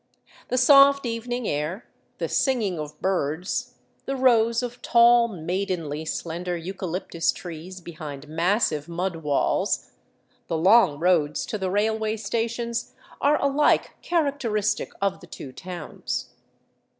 The soft evening air, the sing ing of birds, the rows of tall, maidenly slender eucalyptus trees behind massive mud walls, the long roads to the railway stations, are alike characteristic of the two towns.